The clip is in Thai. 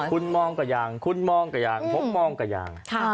คุณมองก็ยังคุณมองก็ยังพวกมองก็ยัง